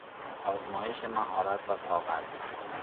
آزمایش مهارت و طاقت